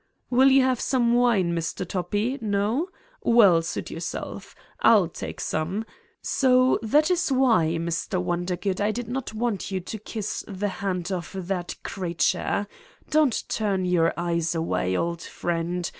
"Will you have some wine, Mr. Toppi? No? Well, suit yourself. I'll take some. So that is why, Mr. Wondergood, I did not want you to kiss the hand of that creature. Don't turn your eyes away, old friend.